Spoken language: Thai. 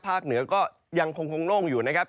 เหนือก็ยังคงโล่งอยู่นะครับ